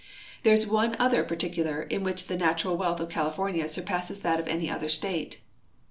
There is one other particular in which the natural wealth of California surpasses that of any other state.